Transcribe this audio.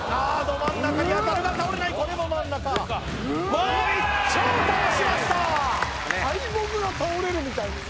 ど真ん中に当たるが倒れないこれも真ん中もう一丁倒しました！